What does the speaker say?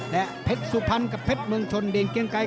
และเพชรสุพรรณกับเพชรเมืองชนเด่นเกียงไกร